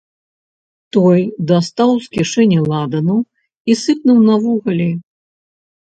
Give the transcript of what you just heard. Той дастаў з кішэні ладану і сыпнуў на вугалі.